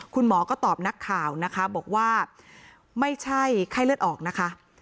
คุณหมอก็ตอบนักข่าวนะคะบอกว่าไม่ใช่ไข้เลือดออกนะคะ